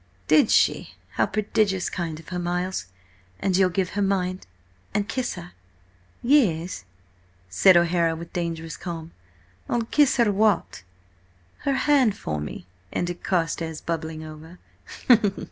"Did she? How prodigious kind of her, Miles! And you'll give her mine, and kiss her—" "Yes?" said O'Hara with dangerous calm. "I'll kiss her what?" "Her hand for me!" ended Carstares, bubbling over.